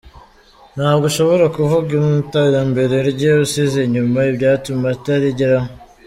Ntabwo ushobora kuvuga iterambere rye usize inyuma ibyatuma atarigeraho.